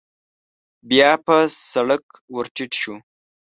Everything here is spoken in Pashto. بيا په سړک ور ټيټ شو.